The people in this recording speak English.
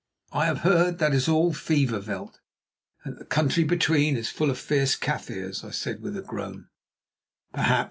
"I have heard that is all fever veld, and that the country between is full of fierce Kaffirs," I said with a groan. "Perhaps.